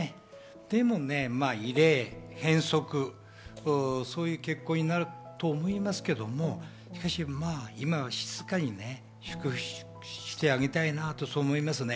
でも、異例、変則、そういう結婚になると思いますけれど、今は静かにしてあげたいなと、そう思いますね。